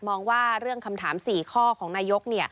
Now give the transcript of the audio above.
มองว่าเรื่องคำถาม๔ข้อของนายก